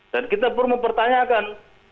dan kita perlu mempertanyakan